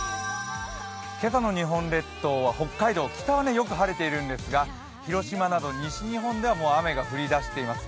今朝の日本列島は北海道、北はよく晴れていますが、広島など、西日本では雨が降りだしています。